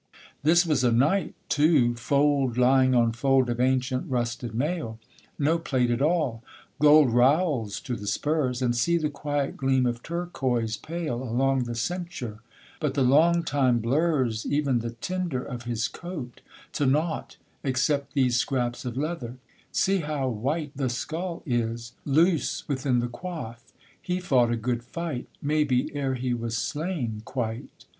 This was a knight too, fold Lying on fold of ancient rusted mail; No plate at all, gold rowels to the spurs, And see the quiet gleam of turquoise pale Along the ceinture; but the long time blurs Even the tinder of his coat to nought, Except these scraps of leather; see how white The skull is, loose within the coif! He fought A good fight, maybe, ere he was slain quite.